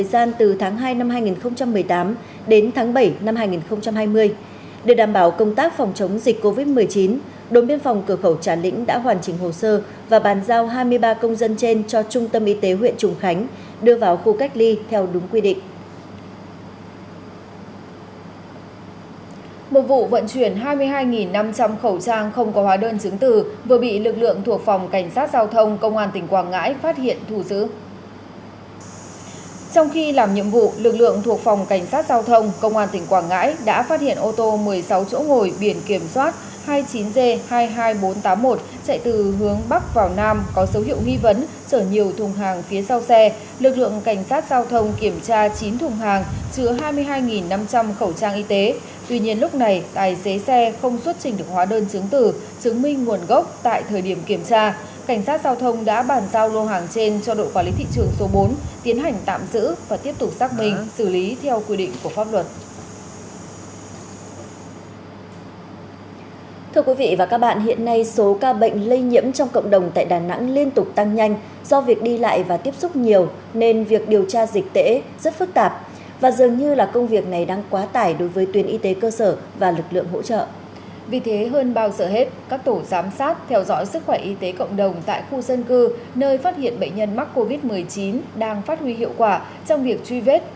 vì thế hơn bao giờ hết các tổ giám sát theo dõi sức khỏe y tế cộng đồng tại khu dân cư nơi phát hiện bệnh nhân mắc covid một mươi chín đang phát huy hiệu quả trong việc truy vết khoanh vùng sập dịch